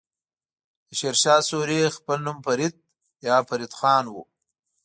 د شير شاه سوری خپل نوم فريد يا فريد خان وه.